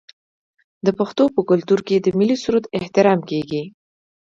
د پښتنو په کلتور کې د ملي سرود احترام کیږي.